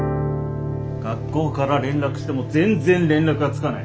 学校から連絡しても全然連絡がつかない。